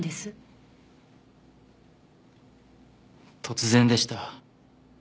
突然でした。